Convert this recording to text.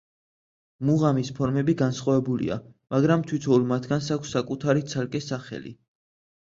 მუღამის ფორმები განსხვავებულია, მაგრამ თითოეულ მათგანს აქვს საკუთარი ცალკე სახელი.